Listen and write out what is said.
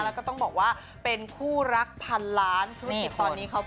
แล้วก็ต้องบอกว่าเป็นคู่รักพันล้าน